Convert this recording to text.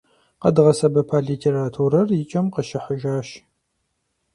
Къэдгъэсэбэпа литературэр и кӏэм къыщыхьыжащ.